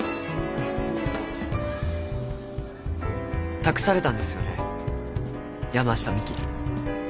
託されたんですよね山下未希に。